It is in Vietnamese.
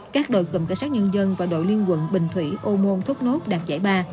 các đội cụm cảnh sát nhân dân và đội liên quận bình thủy ô môn thốt nốt đạt giải ba